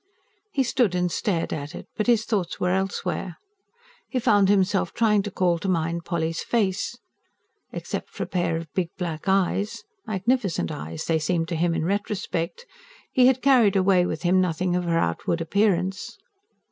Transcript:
He stood and stared at it; but his thoughts were elsewhere: he found himself trying to call to mind Polly's face. Except for a pair of big black eyes magnificent eyes they seemed to him in retrospect he had carried away with him nothing of her outward appearance.